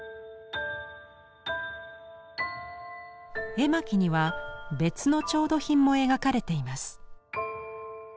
絵巻には別の調度品も描かれています。